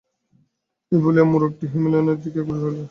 এই বলিয়া মোড়কটি হেমনলিনীর দিকে অগ্রসর করিয়া দিল।